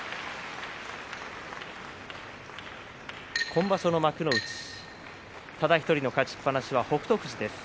今場所の幕内、ただ１人勝ちっぱなしの北勝富士です。